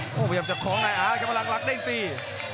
โอ้โหพยายามจะคล้องลายอ๋ออะไรครับพลังลักษณ์เล่นตี